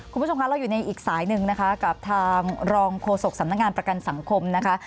คุณผู้ชมคะเราอยู่ในอีกสายหนึ่งนะคะกับทางรองโฆษกสำนักงานประกันสังคมนะคะ